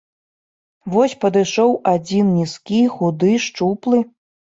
Вось падышоў адзін нізкі, худы, шчуплы.